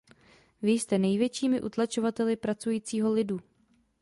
Vy jste největšími utlačovateli pracujícího lidu.